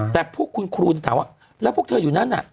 แต่พวกคุณครูถามว่าแล้วพวกเธออยู่นั่นน่ะ